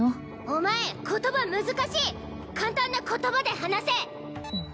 お前言葉難しい簡単な言葉で話せ！